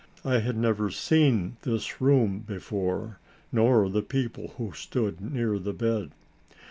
I had never seen this room before, nor the people who stood near the bed.